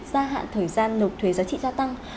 gia hạn thời gian nộp thuế giá trị gia tăng